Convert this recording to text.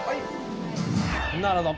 なるほど。